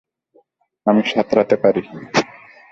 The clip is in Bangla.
আমি সাঁতরাতে পারি।